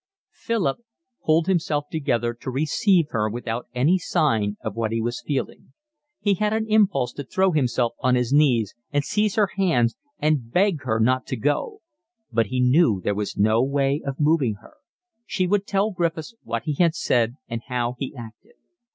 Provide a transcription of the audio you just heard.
Philip pulled himself together to receive her without any sign of what he was feeling. He had an impulse to throw himself on his knees and seize her hands and beg her not to go; but he knew there was no way of moving her; she would tell Griffiths what he had said and how he acted.